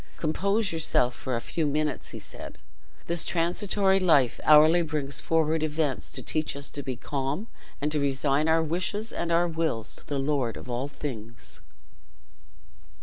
"Compose yourself for a few minutes," said he; "this transitory life hourly brings forward events to teach us to be calm, and to resign our wishes and our wills to the Lord of all things."